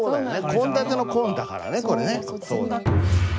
献立の「献」だからねこれね。